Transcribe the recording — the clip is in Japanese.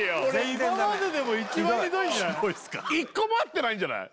今まででも一番ひどいんじゃないひどいひどいすか１個も合ってないんじゃない？